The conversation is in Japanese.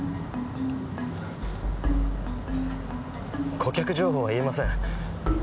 顧客情報は言えません。